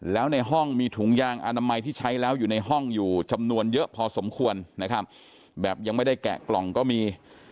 แล้วในห้องมีถุงยางอนามัยที่ใช้แล้วอยู่ในห้องอยู่จำนวนเยอะพอสมควรนะครับแบบยังไม่ได้แกะกล่องก็มี